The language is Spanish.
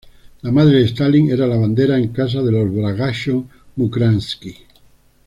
La madre de Stalin era lavandera en casa de los Bagratión-Mukhranski.